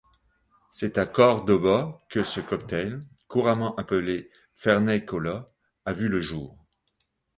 C'est à Córdoba que ce cocktail, couramment appelé Fernet-Cola, a vu le jour.